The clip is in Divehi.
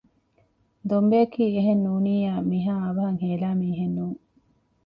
ދޮންބެއަކީ އެހެންނޫނިއްޔާ މިހާ އަވަހަށް ހޭލާ މީހެއް ނޫން